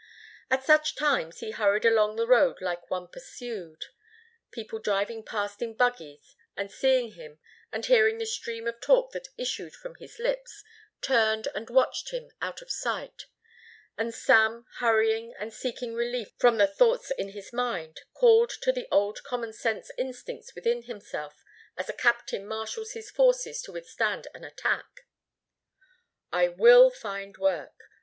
At such times he hurried along the road like one pursued. People driving past in buggies and seeing him and hearing the stream of talk that issued from his lips, turned and watched him out of sight. And Sam, hurrying and seeking relief from the thoughts in his mind, called to the old commonsense instincts within himself as a captain marshals his forces to withstand an attack. "I will find work.